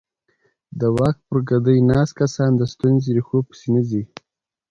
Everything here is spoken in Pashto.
د واک پر ګدۍ ناست کسان د ستونزې ریښو پسې نه ځي.